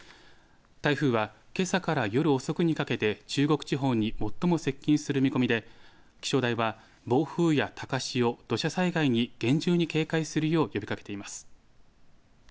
台風はけさから夜遅くにかけて中国地方に最も接近する見込みで気象台は暴風や高潮、土砂災害に厳重に警戒するよう呼びかけています。